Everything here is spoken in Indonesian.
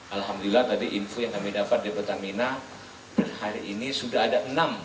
alhamdulillah tadi info yang kami dapat di pertamina per hari ini sudah ada enam